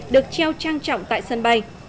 được treo trang trọng tại sân bay